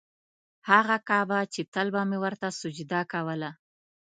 هغه کعبه چې تل به مې ورته سجده کوله.